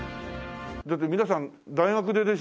だって皆さん大学出でしょ？